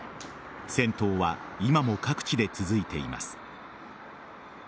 戦闘は今も各地で続いています。